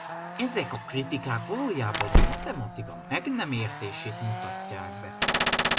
Ezek a kritikák valójában a matematika meg nem értését mutatják be.